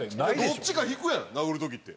どっちか引くやん殴る時って。